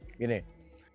atau semakin membaik